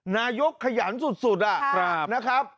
นายกขยันสุดนะครับ